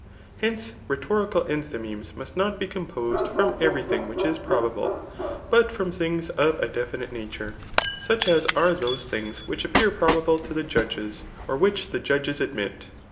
Hence^ rhetorical enthymemes most aoc be composed firopi every thing which is probable, but from things of a definite nature ; such as are those thingi which appear probable to the judges, or which, tte judges admit.